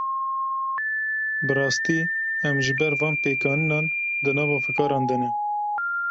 Bi rastî em ji ber van pêkanînan, di nava fikaran de ne